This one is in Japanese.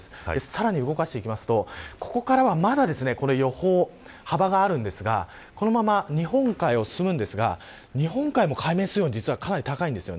さらに動かしますとここからは、まだ予報に幅があるんですがこのまま日本海を進みますが日本海も海面水温かなり高いんです。